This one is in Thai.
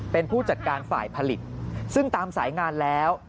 เป็นผู้จัดการฝ่ายผลิตซึ่งตามสายงานแล้ว